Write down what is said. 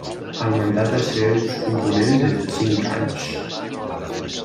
El mandat dels seus components és de cinc anys.